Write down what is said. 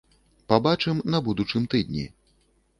Пабачым на будучым тыдні.